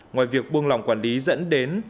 ngoài việc buông lỏng quản lý dẫn đến